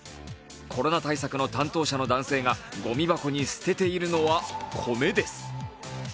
コロナ対策の担当者の男性がごみ箱に捨てているのは米です。